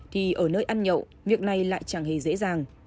thì ở nơi ăn nhậu việc này lại chẳng hề dễ dàng